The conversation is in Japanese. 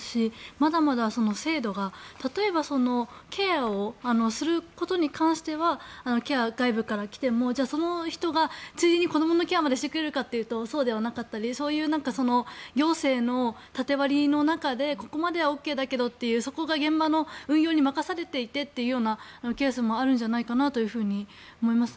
まだまだ制度が例えばケアをすることに関してはケア、外部から来てもその人がついでに子どものケアまでしてくれるかというとそうではなかったり行政の縦割りの中でここまではＯＫだけどというそこが現場の運用に任されていてというケースもあるんじゃないかなと思います。